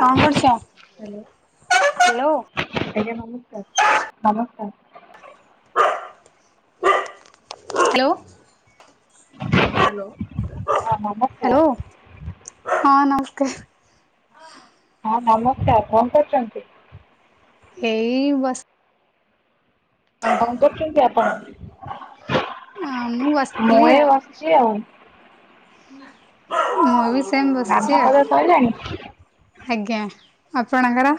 କଣ କରୁଚ? ହ୍ୟାଲୋ। ଆଜ୍ଞା ନମସ୍କାର ନମସ୍କାର। ହାଲୋ। ହାଲୋ। ହଁ ନମସ୍କାର। ହଁ ନମସ୍କାର କଣ କରୁଛନ୍ତି? ଏଇ ବାସ୍। କଣ କରୁଛନ୍ତି ଆପଣ? ମୁଁ ମୁଁ ବସିଥିଲି ଏଇ ଆଉ। ବସିଛି ଆଉ। ମୁଁ ବି ସେମ ବସିଛି ଗାଧୁଆ ଆଉ। ପାଧୁଆ ସଇଲାଣି? ଆଜ୍ଞା ଆପଣଙ୍କର?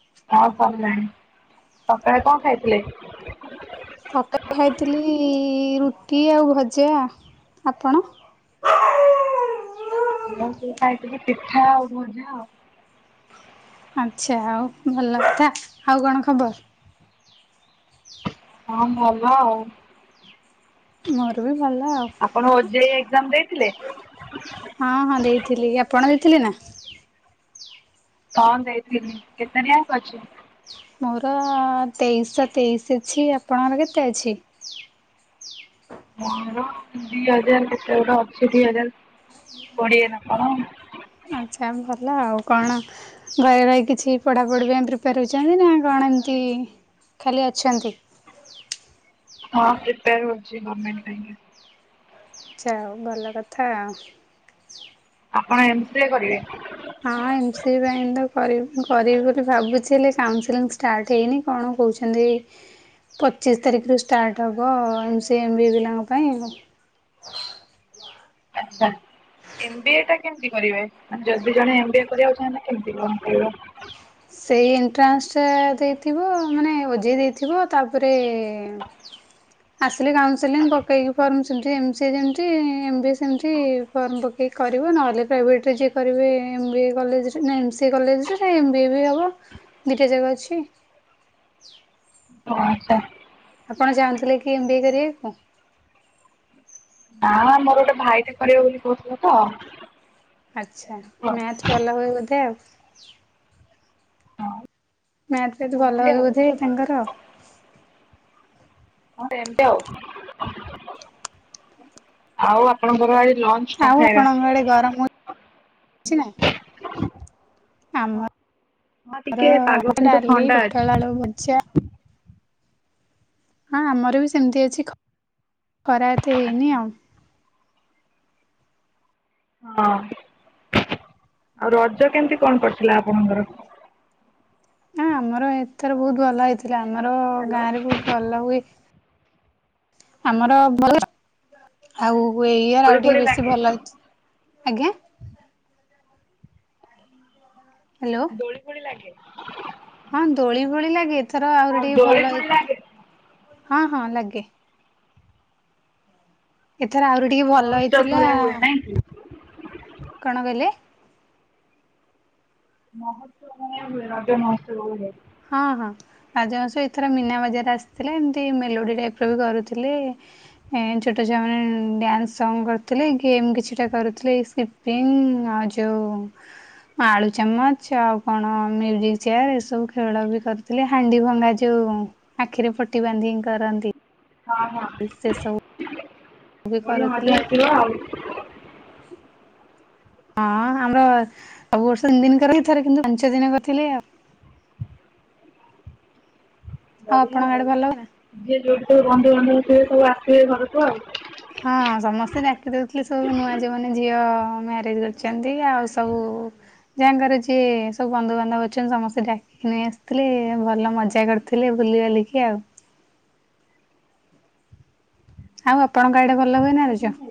ହଁ ସରିଲାଣି ସକାଳେ କଣ ଖାଇଥିଲେ? ସକାଳେ ଖାଇଥିଲି ରୁଟି ଆଉ ଭଜା। ଆପଣ? ମୁଁ ସେ ଖାଇଥିଲି ପିଠା ଆଉ ଭଜା ଆଉ। ଆଚ୍ଛା ଆଉ ଭଲ କଥା ଆଉ କଣ ଖବର? ଆଁ ଭଲ ଆଉ। ମୋର ବି। ଭଲ ଆଉ ଆପଣ ଓଜେଇ ଏକ୍ଜାମ ଦେଇଥିଲେ? ହଁ ହଁ ଦେଇଥିଲି ଆପଣ ବି ଥିଲେ ନା। କଣ ଦେଇଥିଲି କେତେ ର୍ୟାଙ୍କ ଅଛି। ମୋର-ଅ- ତେଇଶହ ତେଇଶ ଅଛି। ଆପଣଙ୍କର କେତେ ଅଛି? ମୋର ଦି ହଜାର କେତେ ଗୋଟେ ଅଛି, ଦି ହଜାର! କୋଡ଼ିଏ ନା କଣ? ଆଚ୍ଛା, ଭଲ ଆଉ କଣ ଘରେ ରହି କିଛି ପଢାପଢି ପାଇଁ ପ୍ରିପେୟାର ହଉଛନ୍ତି ନା କଣ? ଏମ୍ ଏମତି ଖାଲି ଅଛନ୍ତି। ହଁ, ପ୍ରିପେୟାର ହଉଛି ଗର୍ମେଣ୍ଟ ପାଇଁ କା। ଯାହା ହଉ ଭଲ କଥା ଆଉ। ଆପଣ ଏମ୍ ସି ଏ କରିବେ? ହଁ ଏମ୍ ସି ଏ ଶି ଏଲେ କାଉନସିଲିଂ ଷ୍ଟାର୍ଟ ହେଇନି, କଣ କହୁଛନ୍ତି? ପଚିଶ ତାରିଖରୁ ଷ୍ଟାର୍ଟ ହବ, M C M B A ପିଲାଙ୍କ ପାଇଁ ଅ ଆଚ୍ଛା। ଏମ୍ ବି ଏ ଟା କେମିତି କରିବେ? ମାନେ ଯଦି ଜଣେ ଏମ୍ ବି ଏ କରିବାକୁ ଚାହିଁଲେ କେମତି କଣ କରିବ? ତା ଦେଇଥିବ। ମାନେ ଓଜେଇ ଦେଇଥିବ ତାପରେ-ଏଁ ଆସିଲି କାଉନସେଲିଂ ପକେଇକି ଫର୍ମ, ସେମତି ଏମ୍ ସି ଏ ଯେମତି ଏମ୍ ବି ଏ ସେମତି ଫର୍ମ ପ କି କରିବ ନହେଲେ ପ୍ରାଇଭେଟ୍ ରେ ଯିଏ କରିବେ, ଏମ୍ ବି ଏ କଲେଜରେ ନା ଏମ୍ ସି ଏ କଲେଜରେ। ଇଏ ହବ ଦିଟା ଯାକ ଅଛି। ଓ ଆଚ୍ଛା। ଆପଣ ଚାହୁଁଥିଲେ କି ଏମ୍ ବି ଏ କରିଆକୁ? ନାଁ, ମୋର ଗୋଟେ ଭାଇଟେ କରିବ ବୋଲି କହୁଥିଲା ତ। ଆଛା ହଁ ମ୍ୟାଥ ଭଲ ହୁଏ ବୋଧେ ଆଉ। ମ୍ୟାଥ୍ ଫ୍ୟାତ୍ ଭଲ ସେମିତି ହୁଏ ଆଉ ବୋଧେ ତାଙ୍କର? ହଁ ଏମତି ଆଉ। ଆଉ ଆପଣଙ୍କର ଆଇ ଆଉ ଆପଣଙ୍କ ଆଡେ ଗରମ ଅଛି ନା? ହଁ ଆମର ଟିକେ ପାଗ କିନ୍ତୁ ଡାଲି, ଥଣ୍ଡା କୋଟଳ ଅଛି। ଆଳୁ ଭଜା ହଁ, ଆମର ବି ସେମିତି ଅଛି। ଖରା ଏତେ ହେଇନି ଆଉ। ହଁ। ଆଉ ରଜ କେମିତି କଣ କରିଥିଲା ଆପଣଙ୍କର? ନା ଆମର ଏଥର ବହୁତ ଭଲ ହେଇଥିଲା। ଆମର ହ୍ୟାଲୋ। ଗାଁ ରେ ବହୁତ ଭଲ ହୁଏ। ଆମର ଭଲ। ଆଉ ଇଏ ଦୋଳି ଆଉ ଟିକେ ଫୋଳି ବେଶୀ ଲାଗେ? ଭଲ ଅଛି। ଆଜ୍ଞା। ହ୍ୟାଲୋ ଦୋଳି ଫୋଳି ଲାଗେ। ହଁ, ଦୋଳି ଫୋଳି ଲାଗେ। ଏଥର ଆହୁରି ହଁ ଟିକେ ଦୋଳି ଭଲ ହେଇ ଫୋଳି ଲାଗେ ହଁ, ହଁ ଲାଗେ। ଏଥର ଆହୁରି ଟିକେ ଭଲ ମହୋତ୍ସବ ହେଇଥିଲା। ଭଳିଆ ହୁଏ ନାଇଁ କି? କଣ କହିଲେ? ମହୋତ୍ସବ [unintelligible] ରଜ ମହୋତ୍ସବ ହୁଏ। ହଁ, ହଁ ରଜମାସ ଏଥର ମୀନା ବଜାର ଆସଥିଲେ। ଏମତି ମେଲୋଡି ଟାଇପ୍ ର କରୁଥିଲେ-ଏ। ଛୋଟ ଛୁଆ ମାନେ ଡ୍ୟାନ୍ସ, ସଂ କରୁଥିଲେ ଗେମ କିଛିଟା କରୁଥିଲେ। ଏଇ ସ୍କିପିଂ ଆଉ ଯୋଉ ଆଳୁ ଚାମଚ, ଆଉ କଣ ମ୍ୟୁଜିକ ଚେୟାର ଏସବୁ ଖେଳ ବି କରୁଥିଲେ ହାଣ୍ଡି ଭଙ୍ଗା ଯୋଉଁ ଆଖିରେ ପଟି ବାନ୍ଧିକି କରନ୍ତି। ହଁ, ସେ ହଁ। ସବୁ ବି ବଢିଆ କରୁଥିଲେ ମଜା ଆସିବ ଆଉ। ହଁ, ଆମର ସବୁ ବର୍ଷ ତିନି ଦିନ କରେ ଏଥର କିନ୍ତୁ ପାଞ୍ଚ ଦିନ କରିଥିଲେ ଆଉ। ବଢିଆ ଆପଣଙ୍କ ଆଡେ ଆଉ। ଭଲ ହୁଏ ନା? ଯିଏ ଯୋଉଠି ଥିବେ ବନ୍ଧୁବାନ୍ଧବ ସିଏ ସବୁ ଆସଥିବେ ଘରକୁ ଆଉ। ହଁ, ସମସ୍ତେ ଡାକିଦଉଥିଲେ ସବୁ ନୂଆ ଯୋଉ ମାନେ ଝିଅ ମ୍ୟାରେଜ କରିଛନ୍ତି। ଆଉ ସବୁ କୁ ଯାଙ୍କର ଯିଏ ସବୁ ବନ୍ଧୁବାନ୍ଧବ ଅଛନ୍ତି। ସମସ୍ତେ ଡାକିକି ନେଇ ଆସିଥିଲେ। ଭଲ ମଜା କରିଥିଲେ। ବୁଲିବାଲିକିି ଆଉ। ଆଉ ଆପଣଙ୍କ ଆଡେ ଭଲ ହୁଏ ନା ରୁଜ? ହଁ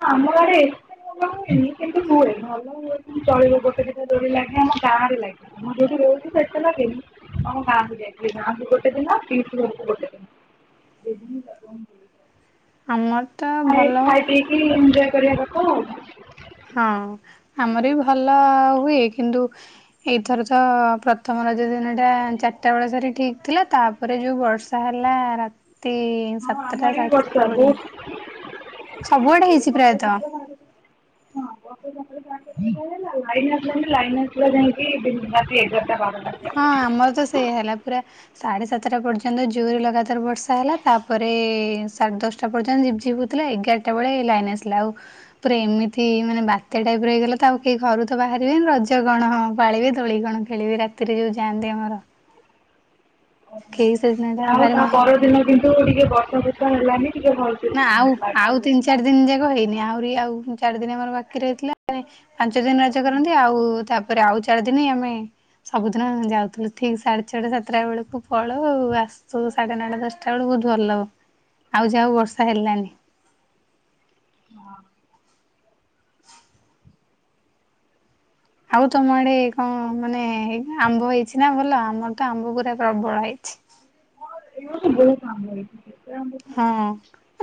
ହଁ ଆମଆଡ଼େ ଏତେ ଭଲ ହୁଏନି କିନ୍ତୁ ହୁଏ ଭଲ ହୁଏ। ଚଳିବ ଗୋଟେ ଦୋଳି ଲାଗେ ଆମ ଗାଁ ରେ ଲାଗେ ମୁଁ ଯୋଉଠି ରହୁଛି ସେଟା ଲାଗେନି। ହଁ ଗାଁକୁ ଯାଇଥିଲି ଗାଁକୁ ଗୋଟ ଦିନ ପିସି ଘରକୁ ଗୋଟେ ଦିନ। ଇଭିନ [inaudible] ଆମର ତ ଖାଇ ଭଲ ଖାଇ ପିଇକି ଏଞଜୟ କରିବା କଥା ଆଉ। ହଁ ଆମର ବି ଭଲ ହୁଏ କିନ୍ତୁ ଏଇଥର ତ ପ୍ରଥମ। ଦିନ ଟା ଚାରିଟା ବେଳ ସରି ଠିକ ଥିଲା ତାପରେ ଯୋଉ ବର୍ଷା ହେଲା ରାତି। ସେ ହଁ ଆମ ସାତଟା ଆଡେ ବି ସାଢେ ବର୍ଷା ସାତଟା ବହୁତ ପଯ୍ୟନ୍ତ। ସବୁଆଡେ ହେଇଛି ବର୍ଷା ପ୍ରାୟତଃ। [unintelligible] ଲାଇନ ନଥିଲା ଲାଇନ ଆସିଲା ଯାଇକି ଦିଟା ତିନିଟା। ହଁ ଆମର ତ ସେଇ ହେଲା ପୁରା। ସାଢେ ସାତଟା ପର୍ଯ୍ୟନ୍ତ ଜୋରେ ଲଗାତାର ବର୍ଷା ହେଲା ତାପରେ ସାଢେ ଦଶଟା ପର୍ଯ୍ୟନ୍ତ ଯ ଝିପି ଝିପି। ଏଗାରଟା ବେଳେ ଲାଇନ ଆସିଲା ଆଉ ପୁରା ଏମିତି ମାନେ ବାତ୍ୟା ଟାଇପ ରହିଗଲା ତ ଆଉ କେହି ଘରୁ ତ ଵା ପାଳିବେ ରଜ କଣ ହଁ ପାଳିବି ଦୋଳି କଣ ଖେଳିବି ରାତିରେ ଯୋଉ ଯାଆନ୍ତି ଆମର। କେହି ସେଦିନଟା ଯା ହଉ ଭାରି ତା ମନ ପରଦିନ କିନ୍ତୁ ଟିକେ ବର୍ଷା ଫର୍ଷା ହେଲାନି। ଟିକେ ଭଲସେ ନା ଆଉ ଆଉ ହଁ ତିନି ଚାରି ଦିନ ଯାକ ହେଇନି। ଆହୁରି ଆଉ ଚାରି ଦିନ ଆମର ବାକି ରହିଥିଲା ପାଞ୍ଚ ଦିନ ରାଜା କରନ୍ତି ଆଉ ତାପ ପରେ ଆଉ ଚାରି ଦିନ ହିଁ ଆମେ। ସବୁଦିନ ଯାଉଥିଲୁ ଠିକ ସାଢେ ଛଅଟା ସାତଟା ବେଳକୁ ପଳଉ ଆସୁ ସାଢେ ନଅଟା ଦଶଟା ବେଳକୁ। ବହୁତ ଭଲ ଆଉ ଯାହା ହଉ ବର୍ଷା ହେଲାନି। ମ [unintelligible] ଆଉ ତମ ଆଡେ କଣ ଆଉ ମାନେ ଏ ଆମ୍ବ ହେ ଛି ନା ଭଲ ଆମର ତ ଆମ୍ବ ପୁରା ପ୍ରବଳ ଆଇଛି। [unintelligible] ହଁ ଖାଇବୁ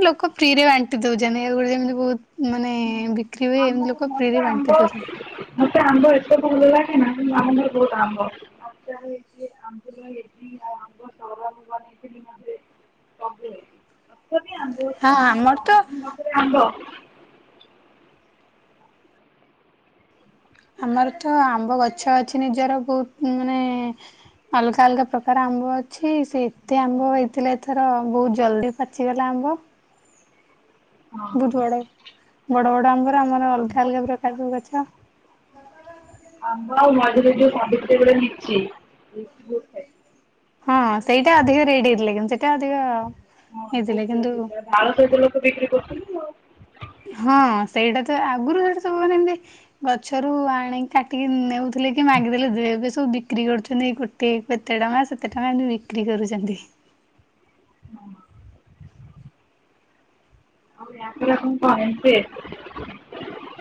ଲୋକ ଫ୍ରି ରେ ବାଣ୍ଟି ଦଉଛନ୍ତି ଗୋଟେ ଯେମିତି ବହୁତ ମାନେ ବିକ୍ରି ହୁଏ ହଁ ଆମ୍ବ ଏମିତି ଲୋକ ଫ୍ରିରେ ମତେ ବାଣ୍ଟି ଆମ୍ବ ଦଉଛନ୍ତି। ମତେ ଆମ୍ବ ତତେ ଭଲ ଲାଗେନା ଆମର ବହୁତ ଆମ୍ବ ଆ ହେଇଛି ଆ [inaudible] [inaudible] ଆମ୍ବ ଛୁଆ ହଁ ହେଇଛି ଆମର ତ ସମସ୍ତଙ୍କ ଗଛରେ ଆମ୍ବ ଆମର ତ ଆମ୍ବ ଗଛ ଅଛି ନିଜର ବହୁତ ମାନେ ଅଲଗା ଅଲଗା ପ୍ରକାର ଆମ୍ବ ଅଛି ସେ ଏତେ ଆମ୍ବ ହେଇଥିଲା ଏଥର ବହୁତ ଜଲଦି ପାଚିଗଲା ଆମ [unintelligible] ହଁ ବହୁତ ବଡ ବଡ ବଡ ଆମ୍ବରେ ଆମର ଅଲଗା ଆମ୍ବ ଅଲଗା ପ୍ରକାର ଗଛ [inaudible] [unintelligible] ହଁ ସେଇଟା ଅଧିକ ରେଡି ହେଇଥିଲା କିନ୍ତୁ ସେଇଟା ଅଧିକ ହଁ ହେଇଥିଲେ ବହୁତ କିନ୍ତୁ ବଇଥିଲା ଆଳୁ ତ ଏବେ ଲୋକ ବିକ୍ରି କରୁଛନ୍ତି ଆଉ। ହଁ ସେଇଟା ତ ଆଗରୁ ସେଟା ସବୁ ମାନେ ଏମତି ଗଛରୁ ଆଣିକି କାଟିକି ନେଉଥିଲେ ଥିଲେ କି ମାଗି ଦେଲେ [unintelligible] ସବୁ ବିକ୍ରି କରୁଚନ୍ତି ଏଇ ଗୋଟିଏ କେତେ ଟଙ୍କା ସେତେ ଟଙ୍କା ଏମତି ବିକ୍ରି କରୁଚନ୍ତି। ହଁ [unintelligible] ଏବେ [unintelligible] ଏମ୍ ସି ଏ।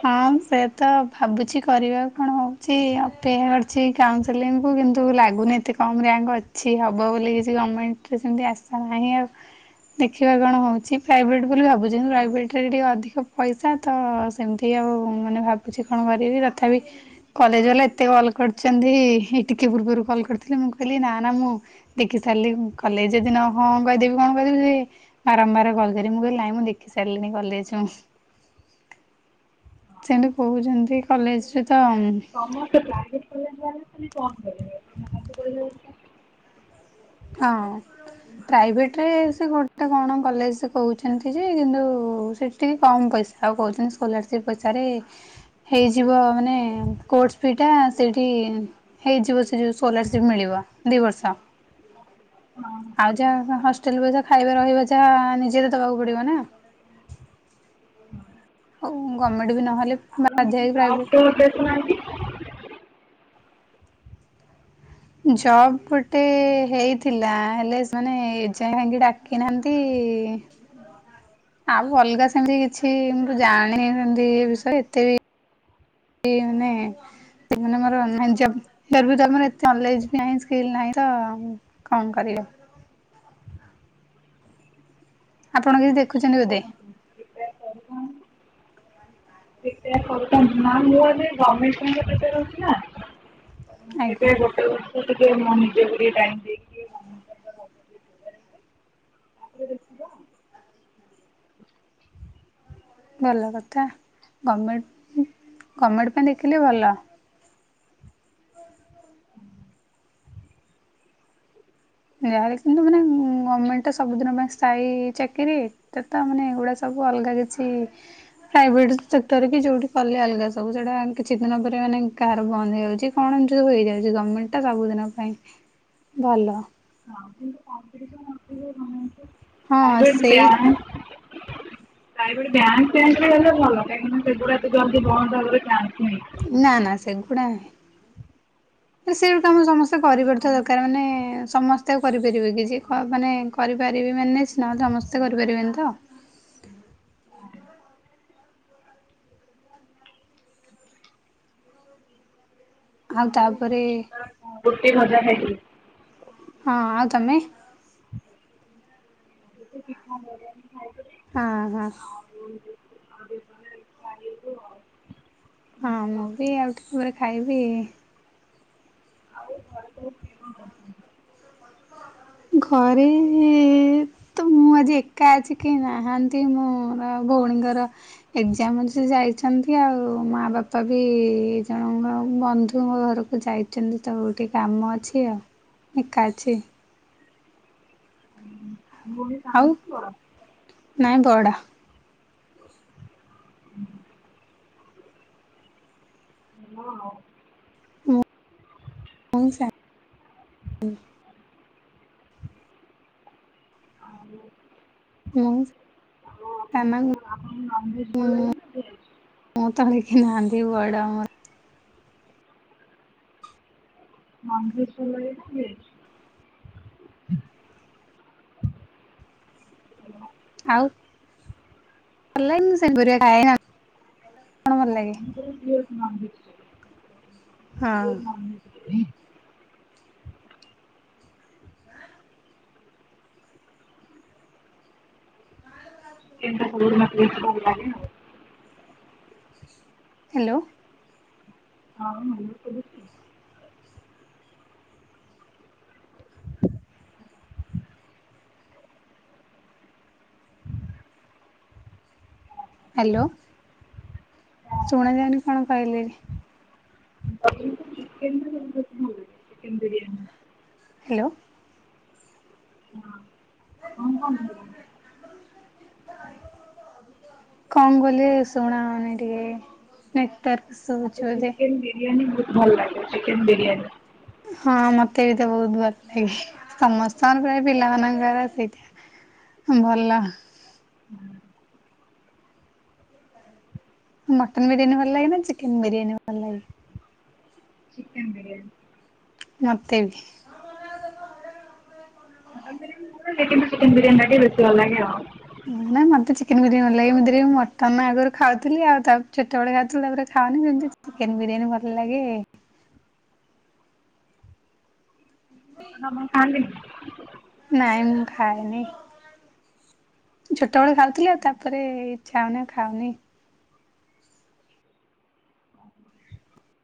ହଁ ସେ ତ ଭାବୁଚି କରିବା କଣ ହୋଉଚି ଅପେକ୍ଷା କରଚି ଏଇ କାଉନସିଲିଂ କୁ। କିନ୍ତୁ ଲାଗୁନି ଏତେ କମ୍‌ ରାଙ୍କ ଅଛି ହବ ବୋଲି କିଛି ଗମେଣ୍ଟରେ ସେମତି ଆଶା ନାହିଁ ଆଉ। ଦେଖିବା କଣ ହୋଉଚି ପ୍ରାଇଭେଟ ବୋଲି ଭାବୁଚି ପ୍ରାଇଭେଟରେ ଟିକେ ଅଧିକ ପଇସା ତ ସେମିତି ଆଉ ମାନେ ଭାବୁଚି କଣ କରିବି ତଥାପି କଲେଜ ବାଲେ ଏତେ କଲ୍ କରଚନ୍ତି ଏଇ ଟିକେ ପୂର୍ବରୁ କଲ୍ କରିଥିଲେ ମୁଁ କହିଲି ନା ନା ମୁଁ ଦେଖି ସାରିଲେ କଲେଜ ଯଦି ନହଁ କହିଦେବି କଣ ହଉ ଛି ବାରମ୍ବାର କଲ୍ କରିବି ମୁଁ କହିଲି ନାହିଁ ମୁଁ ଦେଖି ସାରିଲିିନି କଲେଜ। ସେମତି କୋହୁଚନ୍ତି କଲେଜରେ ତ୍ ସମସ୍ତେ ପ୍ରାଇଭେଟ କଲେଜରେ ଆଡମିସନ ନେଇ କଣ [unintelligible] ହଁ। ପ୍ରାଇଭେଟରେ ସେ ଗୋଟେ କଣ କଲେଜ କହୁଛନ୍ତି ଯେ କିନ୍ତୁ ସେଠି ଟିକେ କମ୍ ପଇ ସବୁ କୋହୁଚନ୍ତି ସ୍କୋଲାରସିପ୍ ପଇସାରେ ହେଇଯିବ ମାନେ କୋର୍ସ ଫିଟା ସେଇଠି ହେଇଯିବ ସେଇ ଯୋଉ ସ୍କୋଲାରସିପ ମିଳିବ। ଦିବର୍ଷ। ଆଉ ଯାହା ହଷ୍ଟେଲ ପଇସା ଖାଇବା ରହିବା ଯାହା ନିଜେ ତ ଦବାକୁ ପଡିବ ନା। [inaudible] ହୋଉ ଗର୍ମେଣ୍ଟ ନହେଲେ ମ [unintelligible] ଜବ ଗୋଟେ ହେଇଥିଲା ହେଲେ ସେମାନେ ଏଯାଏ କାହିଁକି ଡାକି ନାହାନ୍ତି? କି ଆଉ ଅଲଗା ସେମତି କିଛି ମୁଁ ତ ଜାଣିନି ସେମତି ଏ ବିଷୟ ଏତେ ବି। ଏଇ ମାନେ ସେମାନେ ମୋର ଅନ୍‌ ନାଇନି ଜବ୍ [unintelligible] ମୋର ଏତେ ନଲେଜ ନାହିଁ ସ୍କିଲ ନାହିଁ ତ ମୁଁ କଣ କରିବି। ହଁ ଆପଣ କିଛି ପ୍ରିପେୟାର କରୁନାହାନ୍ତି ଦେଖୁଚନ୍ତି ପ୍ରିପେୟାର ବୋଧେ। କରୁଥାନ୍ତୁ [unintelligible] ନା ମୁ ଏବେ ଗର୍ଭମେଣ୍ଟ ପାଇଁ ପିପିଆର ହେଉଛି ନା। ଆଜ୍ଞା ଏବେ ଗୋଟେ ଟିକେ ମୁଁ ନିଜେକି ଟିକେ ଟାଇମ ଦେଇକି ତାପରେ ଦେଖିବା ଭଲ କଥା ଗଭଣମେଣ୍ଟ ଗଭଣ୍ଣମେଣ୍ଟ ପାଇଁ ଦେଖିଲେ ଭଲ। ଯାହାେଲେ କିନ୍ତୁ ମାନେ ଗଭର୍ଣମେଣ୍ଟ ତ ସବୁଦିନ ପାଇଁ ସ୍ଥାୟୀ ଚାକିରିେ ତ ମାନେ ଏଗୁଡା ସବୁ ଅଲଗା କିଛି ପ୍ରାଇଭେଟ ସେକ୍ଟର କି ଯୋଉଠି କଲେ ଅଲଗା ସବୁ ସେଟା କିଛି ଦିନ ପରେ ମାନେ। କାହାର ବନ୍ଦ ହେଇଯାଉଛି କଣ ଯୁ ହେଇଯାଉଛି ଗମେଣ୍ଟ ଟା ସବୁଦିନ ପାଇଁ ଭଲ। ଆଉ କିନ୍ତୁ କମ୍ପିଟିସନ ଅଧିକ [inaudible] ହଁ ପ୍ରାଇଭେଟ ସେଇ ବ୍ୟାଙ୍କ ଫ୍ୟାଙ୍କ ରେ ହେଲେ ଭଲ କାହିଁକିନା ସେଗୁଡା ତ ଜଲଦି ବନ୍ଦ ନାହିଁ ନା ନା ସେଗୁଡ଼ା। ସେଇଗୁ କାମ ସମସ୍ତେ କିନ୍ତୁ କରିପାରୁଥିବା ଗଭର୍ଣ୍ଣମେଣ୍ଟ ଦରକାର ମାନେ ସମସ୍ତେ ଆ କରିପାରିବେ କିଛି ମାନେ କରିପାରିବେ। ମାନେ ସ୍ନା ସମସ୍ତେ କରିପାରିବେନି ତ। ଆଉ ତାପରେ। ରୂଟି ଭଜା ଖାଇିଥିଲି। ହଁ ଆଉ ତମେ। ପିଠା ଭଜା ହଁ ହଁ। ହଁ ମୁଁ ବି ଆଉ ଟିକରେ ଖାଇବି। ଆଉ ଘରେ ସବୁ କିଏ କଣ କରୁଛନ୍ତି [inaudible] ଘରେ ତ ମୁଁ ଆଜି ଏକା ଅଛି କେ ନାହାନ୍ତି ମୋର ବଉଣୀଙ୍କର ଏଗଯାମ ଅଛି ଯାଇଛନ୍ତି ଆଉ ମା ବାପା ବି ଏ ଜଣଙ୍କ ବନ୍ଧୁ ମୋ ଘରକୁ ଯାଇଛନ୍ତି ତ ଗୋଟି କାମ ଅଛି ଆଉ ଏକା ଅଛି। ଭଉଣୀ ଆଉ ସାନକି ବଡ। ନାଇଁ ବଡ଼। ଆଉ ମୁଁ ହୁଁ। [unintelligible] ହଁ ଖାନାକୁ। ଆପଣଙ୍କର ଆପଣଙ୍କୁ ନଭଭେଜ ଭଲ ଲାଗ ନା ଭେଜ। ମୁଁ ତଳେ କେହି ନାହାନ୍ତି ବଡ଼ ମୁଁ। ନନଭେଜ ଭଲ ଲାଗେ ନା ବେଜ। ଆଉ। ଭଲ ଲାଗେନି ସେପରିକା ଖାଇବା କିନ୍ତୁ ଭଲ ଲାଗେ। ନନଭେଜ। ହଁ। କେମିତିଆ କଣ [unintelligible] ହାଲୋ। ଆଉ ଆମର ସବୁ ହାଲୋ। ଭଲ ଶୁଣା ଯାଉନି କଣ କହିଲେଣି। ଚିକେନ ର [unintelligible] ଚିକେନ ବିିରିୟାନୀ। ହାଲୋ। ହଁ କଣ [unintelligible] କଣ କହିଲେ ଶୁଣା ଯାଉନି ଟିକେ ନେଟୱର୍କ ଚିକେନ ବିରିୟାନୀ ବହୁତ ଭଲ ଲାଗେ ଚିକେନ ବିରିୟାନୀ। ହଁ ମତେ ବି ତ ବହୁତ ଭଲ ଲାଗେ। ସମସ୍ତଙ୍କ ପ୍ରାୟ ପିଲା ମାନଙ୍କର ସେଇାଟା। ଭଲ। ମଟନ୍ ବିରିୟାନୀ ଭଲଲାଗେ ନା ଚିକେନ ବିରିୟାନ ଭଲଲାଗେ? ଚିକେନ ବିରିୟାନୀ ମତେ ବି ମଟନ ବିରିୟାନୀ ଚିକେନ ବିରିୟାନୀ ଟା ବେଶି ଭଲ ଲାଗେ ଆଉ। ନା ନାଇଁ ମତେ ଚିକେନ ବିରିୟାନୀ ଭଲ ଲାଗେ, ଏମିତି ରେ ବି ମଟନ ଆଗରୁ ଖାଉଥିଲି ଆଉ ତା ଛୋଟବେେଳେ ଖାଉଥିଲ ତାପରେ ଆଉ ଖା ଖାଉନି ଯଦି ଚିକେନ ବିରିୟାନୀ ଭଲ ଲାଗେ ମଟନ [inaudible] ଆପଣ ଖାଆନ୍ତିନି। ନାଇଁ ମୁଁ ଖାଏନି। ଛୋଟ ବେଳୁ ଖାଉଥିଲି ଆଉ ତାପରେ ଇଛା ହଉନି ଆଉ ଖାଉନି।